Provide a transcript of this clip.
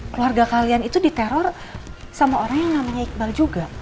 keluarga kalian itu diteror sama orang yang namanya iqbal juga